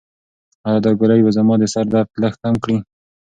ایا دا ګولۍ به زما د سر درد لږ کم کړي؟